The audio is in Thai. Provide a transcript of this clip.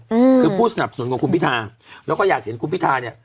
อืมคือผู้สนับสนุนของคุณพิธาแล้วก็อยากเห็นคุณพิทาเนี้ย